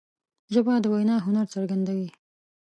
ژبه د وینا هنر څرګندوي